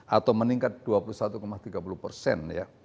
atau meningkat dua puluh satu tiga puluh persen ya